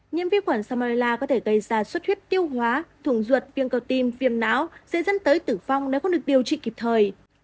nhiễm vi khuẩn salmonella có thể gây ra suốt huyết tiêu hóa thùng ruột viên cầu tim viêm não dễ dẫn tới tử vong nếu không được điều trị kịp thời